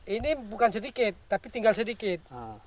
ini bukan sedikit tapi tinggal sedikit